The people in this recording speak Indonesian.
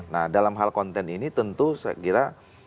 nah dalam hal konten ini tentu saya kira